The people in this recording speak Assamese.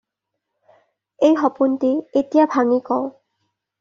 এই সপােনটি এতিয়া ভাঙ্গি কওঁ